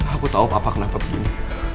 aku tahu papa kenapa begini